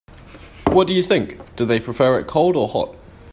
What do you think, do they prefer it cold or hot?